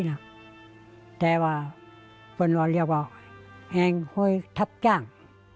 อาจารย์ก็เรียกว่าแองโฮยทัพจ้าง